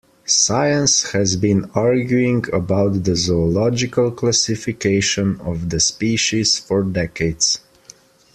Science has been arguing about the zoological classification of the species for decades.